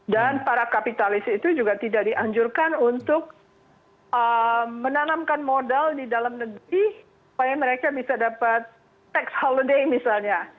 dan para kapitalis itu juga tidak dianjurkan untuk menanamkan modal di dalam negeri supaya mereka bisa dapat tax holiday misalnya